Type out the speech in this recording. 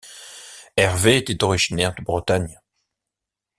Hervey était originaire de Bretagne.